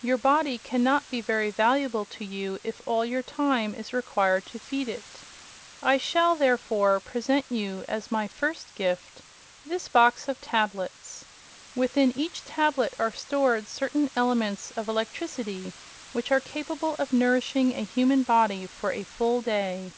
Your body can not be very valuable to you if all your time is required to feed it. I shall, therefore, present you, as my first gift, this box of tablets. Within each tablet are stored certain elements of electricity which are capable of nourishing a human body for a full day.